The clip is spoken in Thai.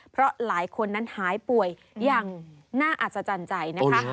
เพราะหลายคนนั้นหายป่วยอย่างน่าอัศจรรย์ใจนะคะ